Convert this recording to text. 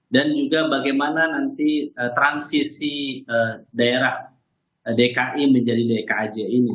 dan juga bagaimana nanti transisi daerah dki menjadi dkj ini